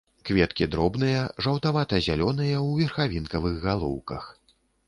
Кветкі дробныя, жаўтавата-зялёныя, у верхавінкавых галоўках.